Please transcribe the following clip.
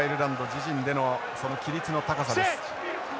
自陣でのその規律の高さです。